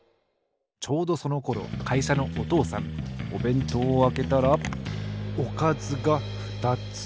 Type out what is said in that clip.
ちょうどそのころかいしゃのお父さんおべんとうをあけたらおかずがふたつ。